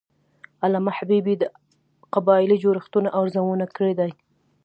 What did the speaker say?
علامه حبیبي د قبایلي جوړښتونو ارزونه کړې ده.